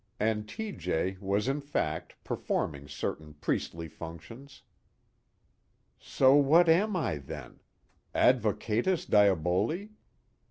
And T.J. was in fact performing certain priestly functions. _So what am I then? Advocatus diaboli?